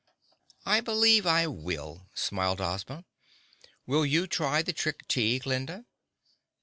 "I believe I will," smiled Ozma. "Will you try the Trick Tea, Glinda?"